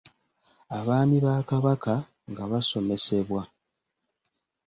Abaami ba Kabaka nga basomesebwa.